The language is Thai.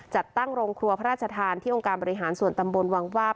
จัดตั้งโรงครัวพระราชทานที่องค์การบริหารส่วนตำบลวังวาบ